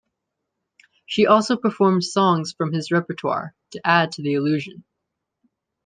She also performed songs from his repertoire, to add to the illusion.